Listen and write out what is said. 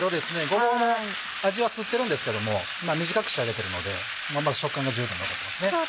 ごぼうも味は吸ってるんですけども短くしてあげているので食感が十分残ってますね。